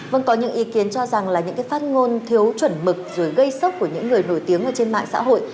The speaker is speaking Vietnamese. vâng có những ý kiến cho rằng là những cái phát ngôn thiếu chuẩn mực rồi gây sốc của những người nổi tiếng ở trên mạng xã hội